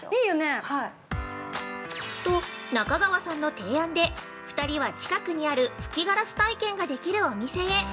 ◆と、中川さんの提案で２人は近くにある吹きガラス体験ができるお店へ。